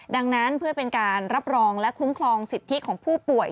ดังนั้นเพื่อเป็นการรับรองและคุ้มครองสิทธิของผู้ป่วย